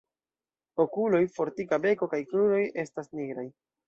Okuloj, fortika beko kaj kruroj estas nigraj.